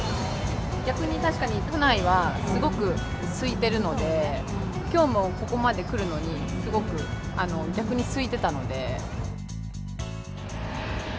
逆に確かに都内はすごくすいてるので、きょうもここまで来るのにすごく逆にすいてたので。